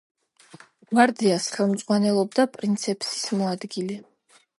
გვარდიას ხელმძღვანელობდა პრინცეფსის მოადგილე.